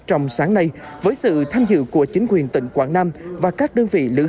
trong sáng nay với sự tham dự của chính quyền tỉnh quảng nam và các đơn vị lữ hành du lịch